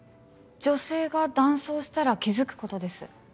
女性が男装したら気付くことです。